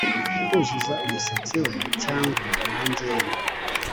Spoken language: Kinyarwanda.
kuzuza umusatsi we cyangwa mange ye